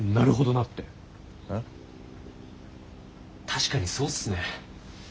確かにそうっすね。